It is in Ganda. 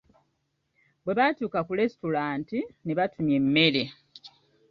Bwe baatuuka ku lesitulanti ne batumya emmere.